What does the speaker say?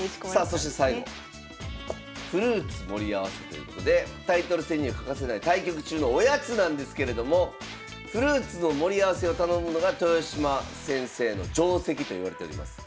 そして最後「フルーツ盛り合わせ」ということでタイトル戦には欠かせない対局中のおやつなんですけれどもフルーツの盛り合わせを頼むのが豊島先生の定跡といわれております。